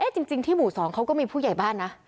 จริงที่หมู่๒เขาก็มีผู้ใหญ่บ้านนะ